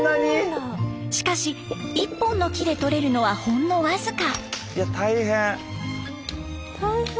しかし１本の木でとれるのはほんの僅か。